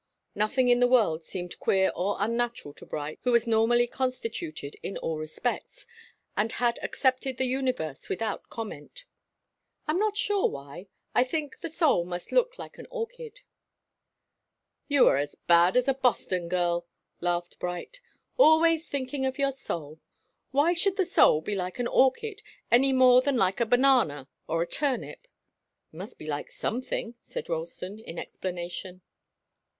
Nothing in the world seemed queer or unnatural to Bright, who was normally constituted in all respects, and had accepted the universe without comment. "I am not sure why. I think the soul must look like an orchid." "You are as bad as a Boston girl," laughed Bright. "Always thinking of your soul! Why should the soul be like an orchid, any more than like a banana or a turnip?" "It must be like something," said Ralston, in explanation.